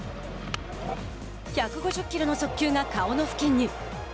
１５０キロの速球が顔の付近に。